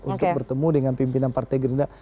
untuk bertemu dengan pimpinan partai gerindra